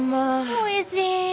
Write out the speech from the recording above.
おいしい！